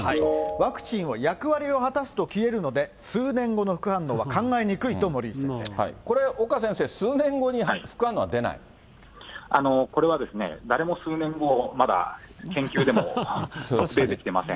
ワクチンは役割を果たすと消えるので、数年後の副反応は考えにくいと、これ、岡先生、数年後に副反これは誰も数年後、まだ研究でも、達成できてません。